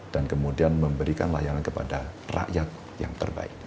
dan kemudian memberikan layanan kepada rakyat yang terbaik